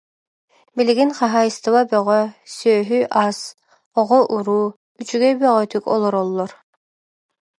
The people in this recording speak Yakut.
Билигин хаһаайыстыба бөҕө, сүөһү-ас, оҕо-уруу, үчүгэй бөҕөтүк олороллор